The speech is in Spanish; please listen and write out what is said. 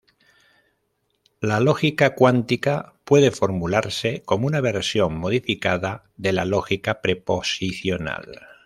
La lógica cuántica puede formularse como una versión modificada de la lógica proposicional.